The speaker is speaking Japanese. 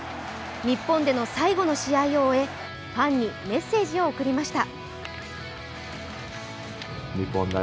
日本での最後の試合を終え、ファンにメッセージを送りました。